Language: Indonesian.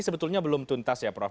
sebetulnya belum tuntas ya prof